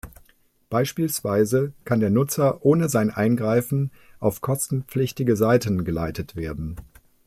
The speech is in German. Beispielsweise kann der Nutzer ohne sein Eingreifen auf kostenpflichtige Seiten geleitet werden.